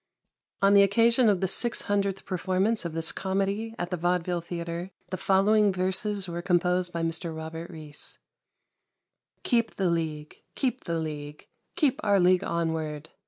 '' On the occasion of the Six Hundredth per formance of this comedy at the Vaudeville Theatre, the following verses were composed by Mr. Robert Reece :— Keep the league"! keep the league, Keep our league onward